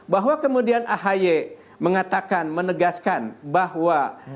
bahwa kemudian ahy mengatakan menegaskan bahwa